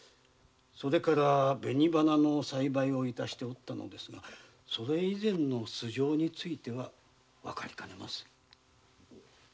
それから紅花の栽培を致しておったのですがそれ以前の素性についてはわかりかねます。